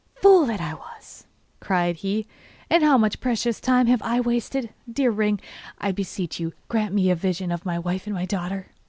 'Fool that I was!' cried he; 'and how much precious time have I wasted? Dear ring, I beseech you, grant me a vision of my wife and my daughter!